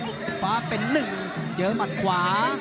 หลุดประปราภาพเป็นหนึ่งเจอมัดขวา